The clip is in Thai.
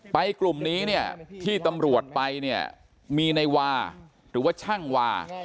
กลุ่มนี้เนี่ยที่ตำรวจไปเนี่ยมีในวาหรือว่าช่างวา